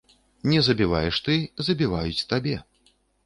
Не забіваеш ты, забіваюць табе.